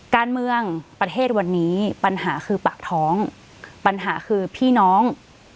การเมืองประเทศวันนี้ปัญหาคือปากท้องปัญหาคือพี่น้อง